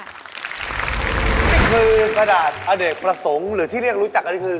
นี่คือกระดาษอเนกประสงค์หรือที่เรียกรู้จักกันนี่คือ